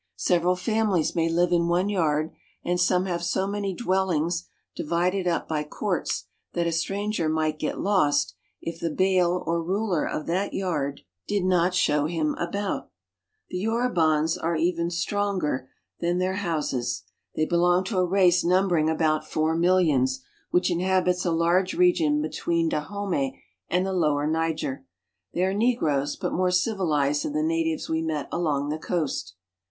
Several famiiies may live in one yard, and some have so many dwellings divided up by courts that a stranger might get lost if the bale or ruler of that yard did not show him about. THE YORUBANS — SOUTHERN NIGEKIA IS The Yonibans are even stranger than their houses. FThey belong to a race numbering about four millions, I which inhabits a large region between Dahomey and the I Lower Niger. They are negroes, but more civilized than I the natives we met along the coast.